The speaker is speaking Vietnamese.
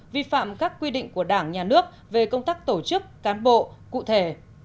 vi phạm các quy định của đảng nhà nước về công tác tổ chức cán bộ cụ thể